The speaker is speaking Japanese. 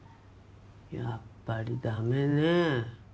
やっぱりダメね。